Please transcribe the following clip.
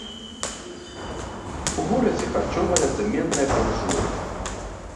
У горадзе харчовая, цэментная прамысловасць.